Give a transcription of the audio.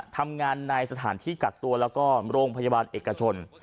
ทำงานในสถานที่กักตัวแล้วก็โรงพยาบาลเอกชน